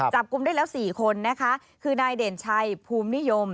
จับกลุ่มได้แล้ว๔คนนะคะคือนายเด่นชัยภูมินิยม